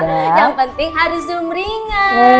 yang penting hari sumringan